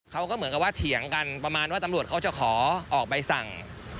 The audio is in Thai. เขาก็เหมือนกับว่าเถียงกันประมาณว่าตำรวจเขาจะขอออกใบสั่ง